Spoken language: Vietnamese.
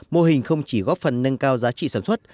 mô hình không chỉ góp phần nâng cao giá trị sản xuất